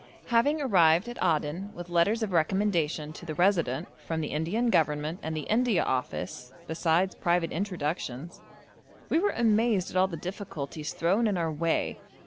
Having arrived at Aden with letters of recommendation to the Resident from the Indian Government and the India Office, besides private introductions, we were amazed at all the difficulties thrown in our way.